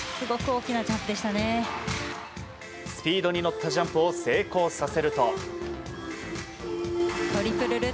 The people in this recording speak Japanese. スピードに乗ったジャンプを成功させると。